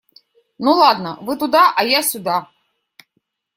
Ну ладно, вы туда, а я сюда.